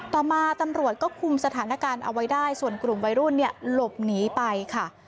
ต่อมาตำรวจก็คุมสถานการณ์เอาไว้ได้ส่วนกลุ่มวัยรุ่นเนี่ยหลบหนีไปค่ะ